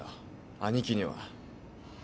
兄貴には。